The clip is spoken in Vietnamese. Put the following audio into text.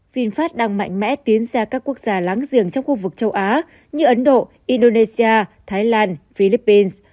vinfast đang mạnh mẽ tiến ra các quốc gia láng giềng trong khu vực châu á như ấn độ indonesia thái lan philippines